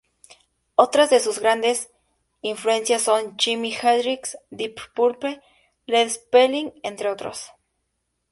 Otras de sus grandes influencias son Jimi Hendrix, Deep Purple, Led Zeppelin, entre otros.